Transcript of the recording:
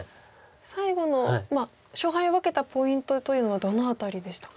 最後の勝敗を分けたポイントというのはどの辺りでしたか？